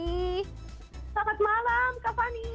selamat malam kak fani